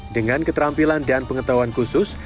dengan keterampilan dan pengetahuan khusus